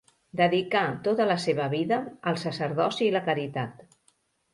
Dedicà tota la seva vida al sacerdoci i la caritat.